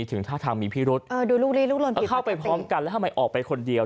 ถึงถ้าทางมีพิรุษเข้าไปพร้อมกันแล้วทำไมออกไปคนเดียว